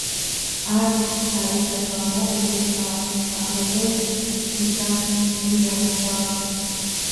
არ- დავიწყება მოყვრისა აროდეს გვიზამს ზიანსა